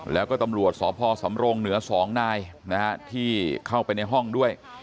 แล้วก็ตำรวจสพสำรงเหนือ๒นายที่เข้าไปในห้องด้วย